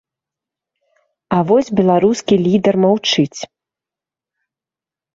А вось беларускі лідар маўчыць.